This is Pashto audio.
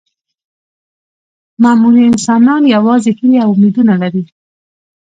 معمولي انسانان یوازې هیلې او امیدونه لري.